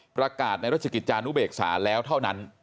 ประกาศในราชกิจจานุเบกษาแล้วเท่านั้น